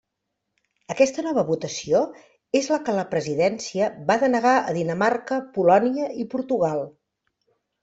Aquesta nova votació és la que la presidència va denegar a Dinamarca, Polònia i Portugal.